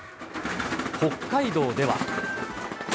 北海道では。